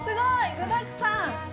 具だくさん！